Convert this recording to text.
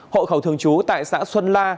hộ khẩu thường trú tại xã xuân la